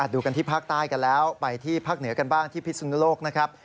ดูกันที่ภาคใต้กันแล้วไปที่ภาคเหนือกันบ้างที่พิศนุโลกนะครับ